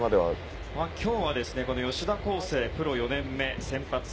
今日はこの吉田輝星プロ４年目、先発。